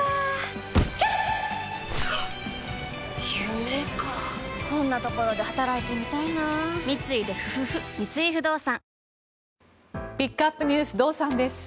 夢かこんなところで働いてみたいな三井不動産ピックアップＮＥＷＳ堂さんです。